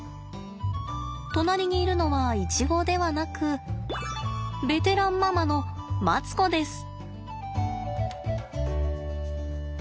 隣にいるのはイチゴではなくベテランママのマツコです。